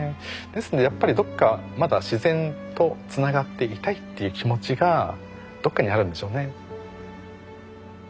ですのでやっぱりどっかまだ自然とつながっていたいっていう気持ちがどっかにあるんでしょうね。